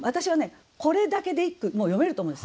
これだけで一句もう詠めると思います。